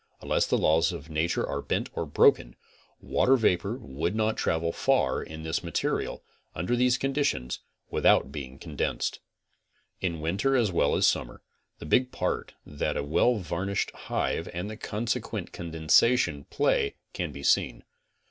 Unless the laws of nature are bent or broken, water vapor would not travel far in this material, under these conditions, without being condensed. In winter as well as summer, the big part that a well var nished hive and the consequent condensation play can be seen.